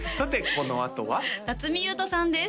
このあとは辰巳ゆうとさんです